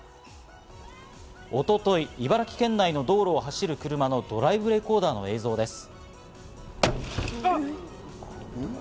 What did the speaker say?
一昨日、茨城県内の道路を走る車のドライブレコーダーの映像です。